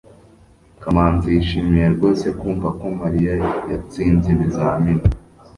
kamanzi yishimiye rwose kumva ko mariya yatsinze ibizamini